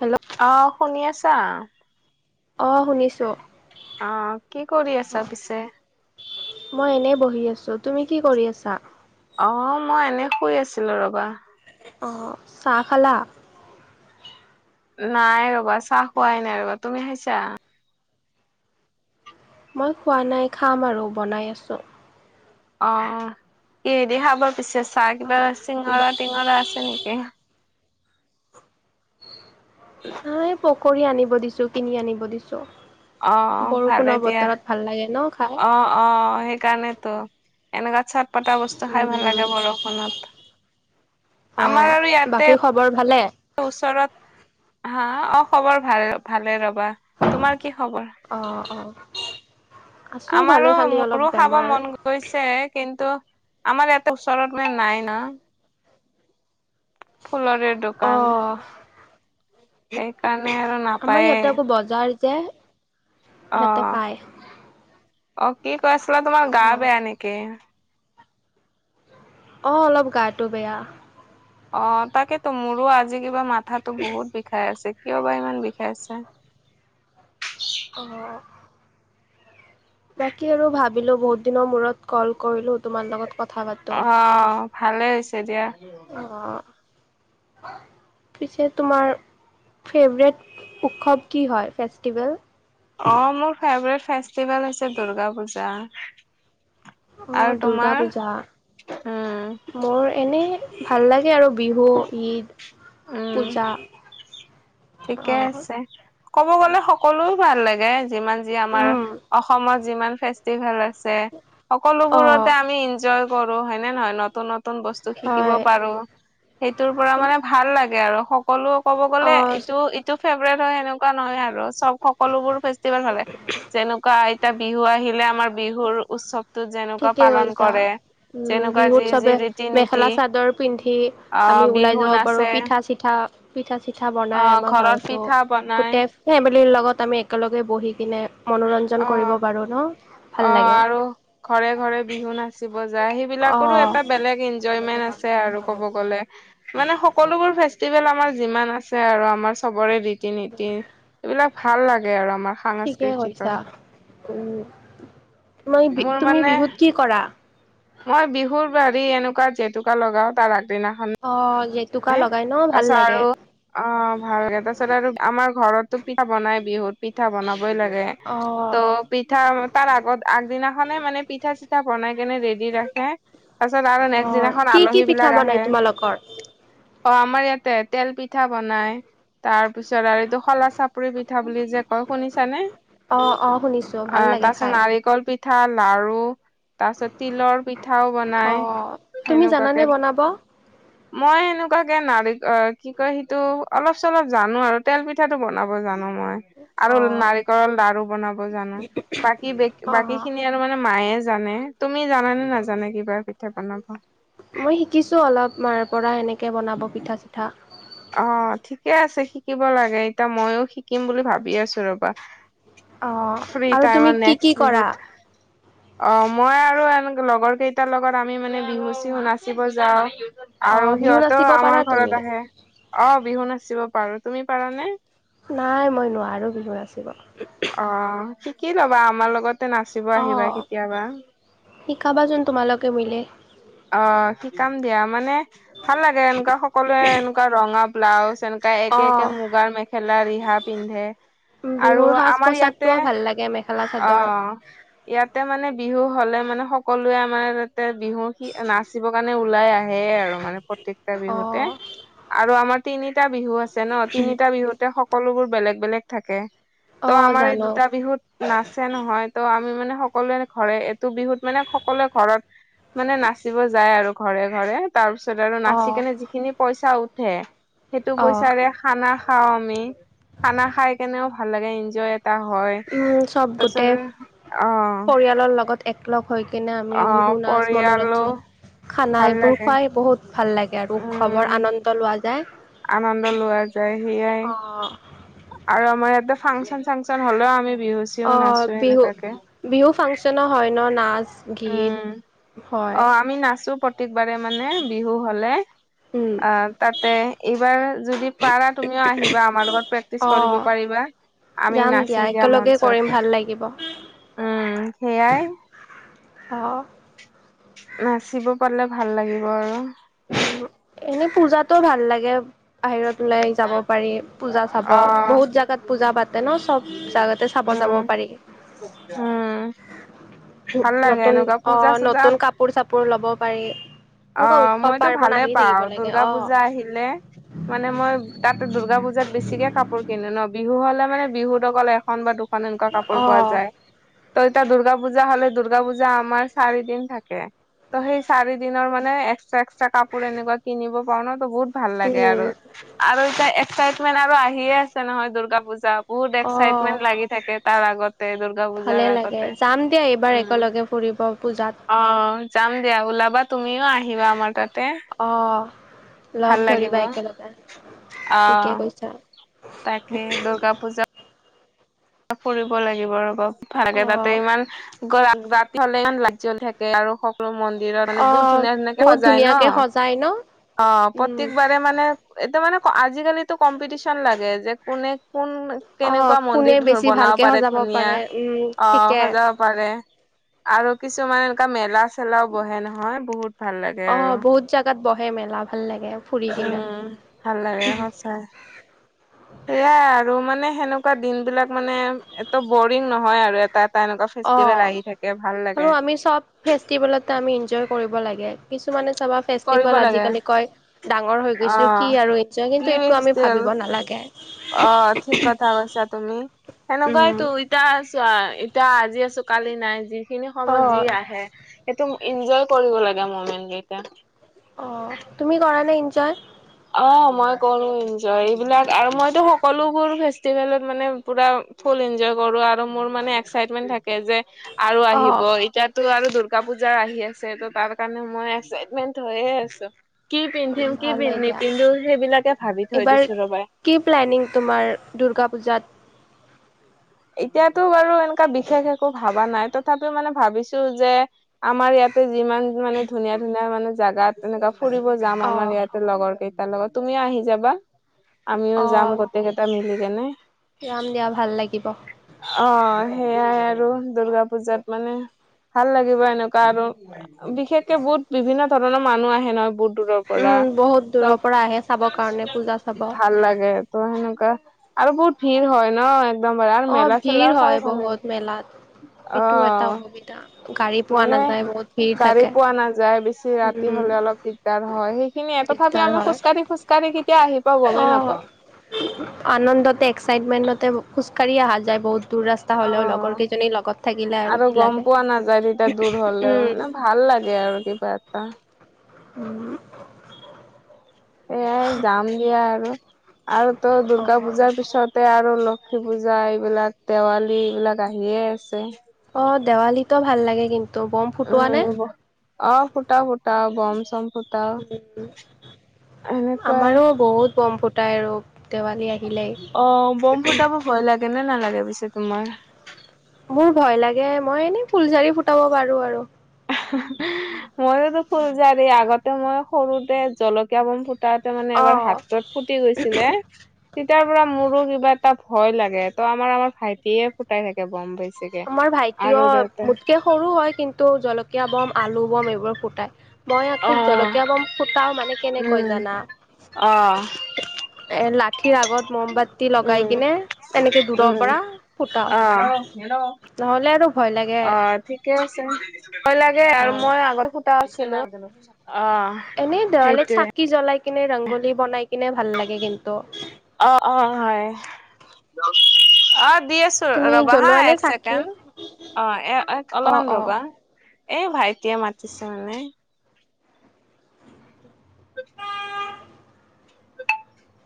Hello অ, শুনি আছা? অ শুনিছো। অ, কি কৰি আছা পিছে? মই এনে বহি আছো। তুমি কি কৰি আছা? অ, মই এনে শুই আছিলো ৰ'বা। অ, চাহ খালা? নাই ৰ'বা, চাহ খোৱাই নাই ৰ'বা। তুমি খাইছা? মই খোৱা নাই, খাম আৰু বনাই আছোঁ। অ কিহেদি খাবা পিছে চাহ কিবা অঁ চিঙৰা-টিঙৰা আছে নেকি? নাই পকৰী আনিব দিছো, কিনি আনিব দিছো। অ, অ ভালে দিয়া। লাগে ন খাই অ, অ সেইকাৰণে টো এনেকা চাত পটা বস্তু খাই ভাল উম লাগে বৰষুণত। আমাৰ অঁ আৰু ইয়াতে বাকী খবৰ ভালে? ওচৰত, হা? অ, খবৰ ভাল ভালে ৰ'বা। তোমাৰ কি খবৰ? অ, অ। আমাৰো মোৰো খাব বেমাৰ মন গ গৈছে কিন্তু আমাৰ এতে ওচৰত মানে নাই না। ফুলৰে দো অ, সেইকাৰণে আৰু [unintelligible] আমাৰ নাপায়ে ইয়াতে আকৌ বজাৰ যে অ সিহঁতে পায়। অ, কি কৈ আছিলা তোমাৰ গা অঁ বেয়া নেকি? অ, অলপ গাটো বেয়া। অ, তাকেতো মোৰো আজি কিবা মাথাটো বহুত বিষাই আছে। কিয় বা ইমান বিষাই আছে? অ'। বাকী আৰু ভাবিলো বহুত দিনৰ মূৰত কল কৰিলো, তোমাৰ লগত কথ অ, ভালে হৈছে দিয়া। অ। পিছে তোমাৰ ফেভৰেট উৎসৱ কি হয় ফেষ্টিভেল? অ, মোৰ ফেভৰেট ফেষ্টিভেল হৈছে দূৰ্গা পূজা। অ', আৰু দুৰ্গা তোমাৰ? পূজা। হুম। মোৰ এনেই ভাল লাগে আৰু বিহু, ঈদ, উম পূজা। ঠিকে অ', আছে। ক'ব গলে সকলো ভাল লাগে, যিমান যি আমাৰ উম, অসমত যিমান ফেষ্টিভেল আছে সকলোবোৰতে অ', আমি ইনজয় কৰো, হয়নে নহয়? নতুন-নতুন বস্তু শিকিব হয়। পাৰো। সেইটোৰ পৰা মানে ভাল লাগে আৰু সকলো ক'ব গ'লে এ অ', ইটো ফেভৰেট হয় সেনেকুৱা নহয় আৰু চব সকলোবোৰ ফেষ্টিভেল ভাল লাগে। যেনেকুৱা এ তে বিহু আহিলে আমাৰ বিহুৰ উৎচবটোত যেনেকুৱা ঠিকে পালন কৈছা কৰে। উম, যেনেকুৱা বিহুত যি যি চবে ৰীতি নীতি মেখেলা-চাদৰ পিন্ধি আমি আহ ওলাই বিহু যাব পাৰো। নাচে পিঠা-চিঠা পিঠা-চিঠা বনাই আহ আমাৰ ঘৰত ঘৰতো। পিঠা বনাই গোটে ফেমেলিৰ লগত আমি একেলগে বহি কিনে মনোৰঞ্জন কৰিব আহ পাৰো ন? ভাল অ, লাগে আৰু ঘৰে-ঘৰে বিহু নাচ চিব যায় অ সেইবিলাকৰো এটা বেলেগ এনজয়মেন্ট আছে আৰু ক'ব গ'লে। মানে সকলোবোৰ ফেছ টিবেল আমাৰ যিমান আছে আৰু আমাৰ চবৰে ৰীতি-নীতি এইবিলাক ভাল লাগে আৰু আমাৰ সাংস্কৃতিকৰ। উম, মই মোৰ তুমি মানে বিহুত কি কৰা? মই বিহুৰ হেৰি এনেকুৱা জেতুকা লগাও তাৰ আগদিনাখন। অ, জেতুকা লগাই ন ভাল তাৰপিছত লাগে। আৰু অ, ভালকে তাৰ পিছত আৰু আমাৰ ঘৰতটো পিঠা বনাই বিহুত, পিঠা বনাবই লাগে। অ ত পিঠা তাৰ আগত আগদিনাখনে মানে পিঠা-চিঠা বনাই কেনে ৰেডি ৰাখে। তাৰপিছত আৰু নেক্স দিনাখন আলহীবিলাক আহে। লগৰ অ আমাৰ ইয়াতে তেল পিঠা বনায়। তাৰপিছত আৰু এইটো খলা চাপৰি পিঠা বুলি যে কয় শুনিছানে? অ অ শুনিছো ভাল অ, লাগে তাৰপিছত খাই নাৰিকল পিঠা, লাৰু তাৰপিছত তিলৰ পিঠাও অ বনায়। তুমি জানানে বনাব? মই এন কুৱাকে নাৰিক অ, কি কয় সিটো অলপ-চলপ জানো আৰু তেল পিঠাটো বনাব জানো মই। অ আৰু নাৰিকলৰ লাৰু বনাব জানো। বাকী বে অ', বাকীখিনি [unintelligible] আৰু মানে মায়ে জানে। তুমি জানা নে নাজানা কিবা পিঠা বনাব? মই শিকিছো অলপ মাৰ পৰা সেনেকে বনাব পিঠা-চিঠা। অ, ঠিকে আছে, শিকিব লাগে। এতিয়া মইয়ো শিকিম বুলি ভাবি আছো ৰ'বা। অ', ফ্ৰী আৰু তুমি টাইমত কি কি নেক্স কৰা? বিহুত অ, মই আৰু এনেকে লগৰ কেইটাৰ লগত আমি মানে বিহু-চিহু নাচিব যাওঁ। আৰু অ', বিহু সিহঁতেও নাচিব পাৰা আমাৰ তুমি? ঘৰত আহে। অ, বিহু নাচিব পাৰো। তুমি পাৰানে? নাই মই নোৱাৰোঁ বিহু নচিব। অ, শিকি ল'বা। আমাৰ লগতে নাচিব আহিবা অ', কেতিয়াবা। শিকাবাচোন তোমালোকে মিলি। অ, শিকাম দিয়া, মানে ভাল লাগে এনকুৱা সকলোৱে এনকুৱা ৰঙা ব্লাউজ, এনকুৱা একে একে অ', মুগাৰ মেখ খেলা ৰিহা পিন্ধে আৰু বিহুৰ সাজ আমাৰ ইয়াতে পোচাকটোও ভাল লাগে মেখেলা অ, চাদৰ। ইয়াতে মানে বিহু হ'লে মানে সকলোৱে আমাৰ ইয়াতে বিহু সি নাচ চিব কাৰণে ওলাই আহে আৰু মানে পত প্ৰত্যেকটা বিহুতে অ', আৰু আমাৰ তিনিটা বিহু আছে ন। তিনিটা বিহুতে সক সকলোবোৰ বেলেগ বেলেগ থাকে। ত' অ', আমাৰ এই জানো দুটা বিহুত নাচে নহয়। ত' আমি মানে সকলোৱে ঘৰে এইটো বিহুত মানে সকলোৱে ঘৰত মানে নাচিব যায় আৰু ঘৰে ঘৰে। তাৰ পিছত আৰু নাচি অ', কেনে যিখিনি পইচা উঠে, সেইটো অ', পইচাৰে খানা খাও আমি। খানা খাই কেনেও ভাল লাগে এনজয় এটা হয়। উম, চব গোটে তাৰপিছত অ পৰিয়ালৰ লগত একলগ হৈ কিনে আমি অ বিহু নাচ, পৰিয়ালো মনোৰঞ্জন, খানা ভাল এইবোৰ লাগে খুৱাই বহুত ভাল লাগে আৰু উম উৎসৱৰ আনন্দ লোৱা যায়। আনন্দ লোৱা যায় সেয়াই। অ', আৰু আমাৰ ইয়াতে ফাংচন-চাংচন হ'লেও আমি বিহু চিহু অ, নাচো বিহু এনেকুৱাকে বিহু ফাংচনো হয় ন? নাচ, গীত উম হয় অ', আমি নাচো প্ৰতেকবাৰে মানে বিহু হ'লে, উম, আ তাতে এইবাৰ যদি পাৰা তুমিও আহিবা, আমাৰ লগত প্ৰেক্টিচ কৰিব অ', পাৰিবা। আমি যাম নাচিম দিয়া একেলগে কৰিম মঞ্চত, ভাল লাগিব উম, সেইয়াই। অ'। নাচিব পাৰলে ভাল লাগিব আৰু। উম, এনেই পূজাটো ভাল লাগে বাহিৰত ওলাই যাব পাৰি পূজা চাব, অ বহুত জাগাত পূজা পাতে ন চব জাগাতে চাব উম যাব পাৰি। [unintelligible] ভাল লাগে নতুন এনেকুৱা পূজা অ', চূজা নতুন কাপোৰ চাপোৰ ল'ব পাৰি। এনেকুৱা অ', উৎসৱ মইতো পাৰ্বণ ভালে আহি থাকিব পাওঁ, লাগে দুৰ্গা অ', পূজা আহিলে। মানে মই তাতে দুৰ্গা পূজাত বেছিকে কাপোৰ কিনো ন, বিহু হ'লে মানে বিহুত অকল এখন বা দু খন এনেকুৱা কাপোৰ পোৱা অ', যায়। ত' এতিয়া দুৰ্গা পূজা হ'লে দুৰ্গা পূজা আমাৰ চাৰি দিন থাকে, ত' সেই চাৰি দিনৰ মানে এক্সট্ৰা- এক্সট্ৰা কাপোৰ এনেকুৱা কিনিব পাও ন ত' বহুত ভাল লাগে উম, আৰু। আৰু এতিয়া এক্সাইটমেন্ট আৰু আহিয়ে আছে নহয় দূৰ্গা পূজা, বহুত অ', এক্সাইটমেন্ট লাগি থাকে তাৰ আগতে পূজাৰ ভালে লাগে, আগতে। যাম দিয়া এইবাৰ উম, একেলগে ফুৰিব পূজাত। অ', যাম দিয়া, ওলাবা তুমিও আহিবা আমাৰ তাতে। অ', ভাল লগ লাগিব ধৰিবা একেলগে, ঠিকে অ' কৈছা। তাকে দুৰ্গা পূজা ফুৰিব লাগিব ৰ'ব। ভালকে তাতে অ' ইমান গ [unintelligible] ৰাতি হ'লে ইমান লাইত জলি থাকে আৰু সকলো মন্দিৰত মানে বহুত অ' ধুনীয়া ধুনীয়াকে বহুত সজায় ন, ধুনীয়াকে সজাই ন অ', উম প্ৰত্যেকবাৰে মানে এতিয়া মানে আজিকালিটো কম্পিটিছন লাগে যে কোনে কোন কেনেকুৱা অ', কোনে মন্দিৰ বেছি বনাব ভালকে পাৰে সজাব ধুনীয়া পাৰে, উম, অ ঠিকে। [unintelligible] পাৰে আৰু কিছুমান এনেকা মেলা চেলাও বহে নহয় বহুত ভাল লাগে অ‌', আৰু বহুত জাগাত বহে মেলা, ভাল লাগে। ফুৰি কিনা উম, ভাল লাগে সঁচাই। সেয়াই আৰু মানে সেনেকুৱা দিন বিলাক মানে এত বৰিং নহয় আৰু এ এটা- এটা এনেকুৱা অ' ফেষ্টিভেল আহি থাকে, ভাল আৰু লাগে। আমি চব ফেষ্টিভেলতে আমি ইনজয় কৰিব লাগে, কিছুমানে চাবা কৰিব ফেষ্টিভেল লাগে আজিকালি কয় ডাঙৰ হৈ অ গৈছো, কি আৰু এতিয়া কি কিন্তু এইটো আমি ষ্টিল ভাবিব নালাগে। অ', ঠিক কথা কৈছা তুমি, সেনকোৱাই উম তো ইতা চোৱা ইতিয়া আজি আছো কালি নাই, যিখিনি সময়ত যি অ' আহে। সেইটো ইনজয় কৰিব লাগে ম'মেন কেইটা। অ', তুমি কৰা নে ইনজয়। অ', মই কৰো ইনজয়, এইবিলাক আৰু মইটো সকলোবোৰ ফেচতিভেলত মানে পোৰা ফুল এনজয় কৰো আৰু মোৰ মানে এক্সাইটমেন্ট থাকে যে আৰু আহিব অ', এতিয়া ত' আৰু দুৰ্গা পূজা আহি আছে, ত' তাৰ কাৰণে মই এক্সাইটমেন্ট হৈয়ে আছো। কি পিন্ধিম কি ভালেই দিয়া। নিপিন্ধো সেইবিলাকে ভাবি থৈ এইবাৰ দিছো ৰ'বা। কি প্লেনিং তোমাৰ দুৰ্গা পূজাত। এতিয়াতো বাৰু এনেকুৱা বিশেষ একো ভবা নাই, তথাপিও মানে ভাবিছো যে আমাৰ ইয়াত তে যিমান মানে ধুনীয়া- ধুনীয়া মানে জাগাত এনেকুৱা ফুৰিব যাম অ', আমাৰ ইয়াত লগৰ কেইটাৰ লগত, তুমিও আহি যাবা। আমিও যাম অ', গটে কেইটা মিলি কেনে। যাম দিয়া ভাল লাগ গিব। অ সেইয়াই আৰু দুৰ্গা পূজাত মানে ভাল লাগিব এনেকুৱা আৰু বিশেষকে বোত বিভিন্ন ধৰণৰ মানুহ আহে নহয় বুত দূৰৰ পৰা উম, বহুত চব দূৰৰ পৰা আহে চাবৰ কাৰণে পূজা চাব। ভাল লাগে। ত সেনেকুৱা, আৰু বহুত ভিৰ হয় ন। একদম [unintelligible] অ', ভিৰ মেলা-চেলাও চাই হয় ভাল লাগে। বহুত মেলাত। অ। এইটো এটা অসুবিধা, গাড়ী পোৱা মানে নাযায় বহুত ভিৰ গাড়ী থাকে। পোৱা নাযায়। বেছি ৰাতি উম, হ'লে অলপ দি দাৰ হয়, সেইখিনিয়ে তথাপিও দিগদাৰ আমি হয়। খোজ কাঢ়ি খোজ কাঢ়ি কেতিয়া আহি পাও গমেই অ', নাপাওঁ। আনন্দতে এক্সাইটমেনতে খোজকাঢ়ি আহা যায় বহুত দূৰ ৰাচ অ, আৰু কি গম লাগে। পোৱা নাযায় তেতিয়া দূৰ হলেওঁ। উম, মানে ভাল লাগে আৰু কি কিবা এটা উম। এয়াই যাম দিয়া আৰু আৰুতো দূৰ্গা অ', পূজাৰ পিছত তে আৰু লক্ষী পূজা, এইবিলাক দেৱালী এইবিলাক আহিয়ে আছে। অ, দেৱালীতো ভাল লাগে কিন্তু। বম ফুটোৱা নে? উম অ ফুটাও, ফুটাও, বম-চম ফুটাও। এনেকুৱাই আমাৰো বহুত বম ফুটাই আৰু দেৱালী অ বম আহিলেই। ফুটাব ভয় লাগে নে নালাগে পিছে তোমাৰ? মোৰ ভয় লাগে। মই এনে ফুলজাৰি ফুটাব পাৰো আৰু। [unintelligible] মইওটো ফুলজাৰি আগতে মই সৰুতে জলকীয়া বম ফু টাওতে মানে এবাৰ অ'। হাতত ফুটি গৈছিলে। তেতিয়াৰ পৰা মোৰো কিবা এটা ভয় লাগে। ত' আমাৰ আমাৰ ভাইটিয়ে ফুটাই থাকে বম বেছিকে। আমাৰ ভাইটিও, আৰু দেউতা মোতকে সৰু হয় কিন্তু জলকীয়া বম, আলু বম এইবোৰ ফুটায়। মই অ আকৌ জলকীয়া বম ফুটাও মানে কেনেকৈ উম জানা? অ এ লাঠিৰ আগত মমবাত্তি লগাই উম কিনে এনেকে দূৰৰ পৰা ফুটাও। হেল্ল। নহ'লে আৰু ভয় লাগে। ঠিকে আছে। ভয় লাগে আৰু অ'। মই আগত ফুতা আছিলো, অ। এনেই দেৱালীত সেইটোৱে চাকি জ্বলাই কিনে ৰংগলী বনাই কিনে ভাল লাগে কিন্তু। অ, অ হয়। অ, দি আছ তুমি ৰ'বা হা জ্বলোৱা নে এক চাকি? ছেকেণ্ড। অ এ অলপমান অ', অ', ৰ'বা। এ ভাইটিয়ে মাতিছে মানে। [inaudible]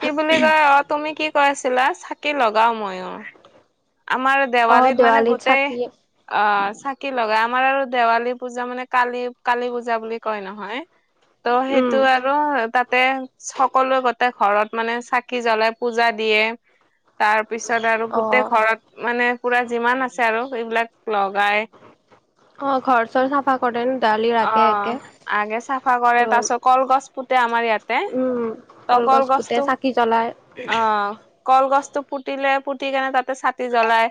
কি বুলি কয়, অ তুমি কি কৈ আছিলা? চাকি লগাও মইও। আমাৰ অ', দেৱালীত মানে গোটেই চাকি অ চাকি লগায়। আমাৰ আৰু দেৱালী পূজা মানে কালী, কালী পূজা বুলি কয় নহয়। ত' উম, সেইটো আৰু তাত তে সকলোৱে গটে ঘৰত মানে চাকি জ্বলাই পূজা দিয়ে। তাৰ পিছত আৰু গোটেই অ', ঘৰত মানে পুৰা যিমান আছে আৰু এইবিলাক লগায়। অ ঘৰত অ, আগে চাফা কৰে। আৰু তাৰ ছত কলগছ পুতে আমাৰ ইয়াতে। উম, ত কলগছ পুতে কলগছটো, চাকি জ্বলাই অ। কলগছটো পুতিলে, পুতি কেনে তাতে চাকি জ্বলাই,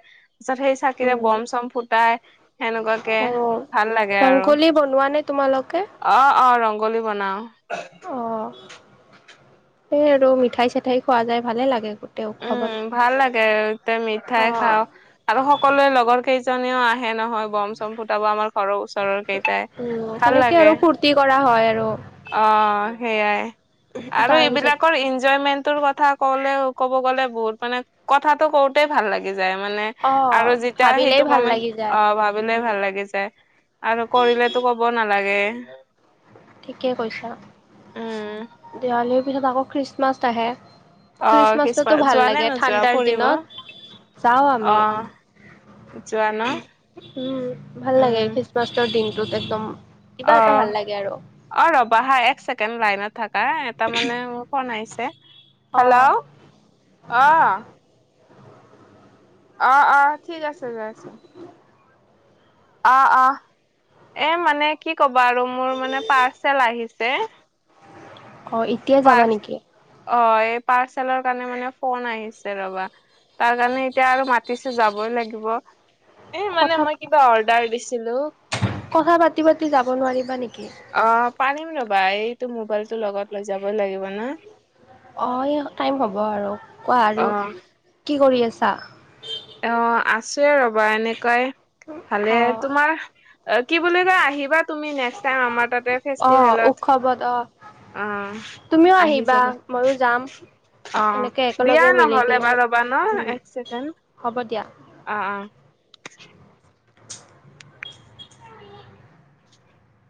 তাৰ পিছত সেই চাকিৰে উম, বম চম ফুটাই, সেনেকুৱাকে, আৰু ভাল লাগে আৰু। [unintelligible] বনোৱা নে তোমালোকে। অ', অ', ৰংগলী বনাও। অ', সেই আৰু মিঠাই চিঠাই খোৱা যায়, ভালে লাগে। গোটেই উৎসৱত। উম, ভাল লাগে তে মিঠাই অ', খাওঁ। আৰু সকলোৱে লগৰ কেইজনেও আহে নহয় বম চম ফুটাব আমাৰ। ঘৰৰ ওচৰৰ কেইটাই, উম, ভাল সেনেকে আৰু লাগে। ফূৰ্তি কৰা হয় আৰু অ', সেইয়াই, আৰু তাৰপিছত এইবিলাকৰ ইনজয়মেন্টৰ কথা কলেও ক'ব গ'লে বহুত মানে কথাাটো কওঁতেই ভাল লাগি যায় মানে অ', আৰু যেতিয়া ভাবিলেই সেইটো ভাল কমেণ্ট লাগি যায় অ', ভাবিলেই উম, ভাল লাগি যায়। আৰু কৰিলেতো ক'ব নালাগে। ঠিকেই কৈছা, উম দেৱালীৰ পিছত আকৌ খ্ৰীষ্টমাছ আহে। অ খ্ৰীষ্টমাছটোটো খ্ৰীষ্টমাছ ভাল যোৱা নে লাগে নোযোৱা ঠাণ্ডাৰ ফুৰিব দিনত, অ যাওঁ আমি। যোৱা ন উম, ভাল লাগে, উম খ্ৰীষ্টমাছৰ দিনটোত একদম। কিবা এটা ভাল অ', লাগে আৰু অ', ৰ'বা হা এক ছেকেণ্ড লাইনত থাকা এ তাৰমানে মোৰ ফোন আহিছে, অ হেল্ল' অ'। অ, অ', ঠিক আছে যাই আছো। অ', অ', এ মানে কি ক'বা আৰু মোৰ মানে পাৰ্চেল আহিছে। এতিয়াই পাৰ যাবা নেকি। অ', এই পাৰ্চেলৰ কাৰণে মানে ফোন আহিছে ৰ'বা। তাৰ কাৰণে এতিয়া আৰু মাতিছে যাবই লাগিব। এ মানে কথা মই কিবা অৰ্ডাৰ দিছিলো। কথা পাতি পাতি যাব নোৱাৰিবা নেকি। অ', পাৰিম ৰ'বা এইটো মোবাইলটো লগত লৈ যাবই লাগিব ন। অ', এই টাইম হ'ব আৰু কোৱা আৰু অ', কি কৰি আছা। অ', আছোয়ে ৰ'বা এনেকুৱাই ভালে, অ তোমাৰ। কি বুলি কয় আহিবা তুমি নেক্সট টাইম আমাৰ তাতে অ ফেষ্টিভেলত। উৎসৱত অ অ'। তুমিও আহি আহিবা, যাবা মইও যাম। অ', এনেকে দিয়া একেলগে মিলি নহ'লে কিনে বাৰু ৰ'বা ন এক চেকেণ্ড। হ'ব দিয়া। অ'।